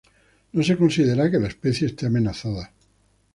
No se considera que la especie este amenazada.